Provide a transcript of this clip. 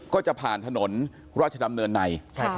ก็จะผ่านถนนราชดำเนินใน